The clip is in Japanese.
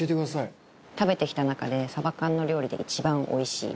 食べてきた中でサバ缶の料理で一番おいしい。